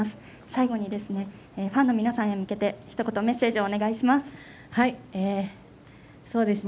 最後にファンの皆さんへ向けてひと言メッセージをお願いします。